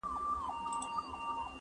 « صدقې لره یې غواړم د د لبرو-